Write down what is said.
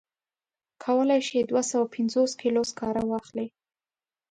کولای شي دوه سوه پنځوس کیلو سکاره واخلي.